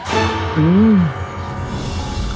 หื้ม